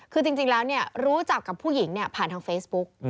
คือจริงแล้วเนี่ยรู้จักกับผู้หญิงเนี่ยผ่านทางเฟซบุ๊ค